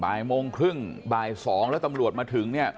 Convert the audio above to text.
บ่ายโมงครึ่งบ่าย๒แล้วตำรวจมาถึงเนี่ย